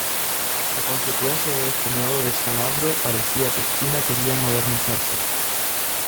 A consecuencia de este nuevo descalabro, parecía que China quería modernizarse.